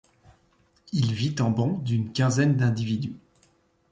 Il vit en banc d'une quinzaine d'individus.